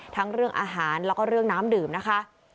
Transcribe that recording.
ทั้งเรื่องอาหารแล้วก็เรื่องน้ำดื่มนะคะ